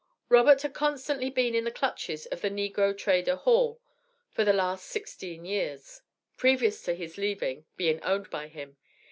Robert had constantly been in the clutches of the negro trader Hall, for the last sixteen years, previous to his leaving, being owned by him.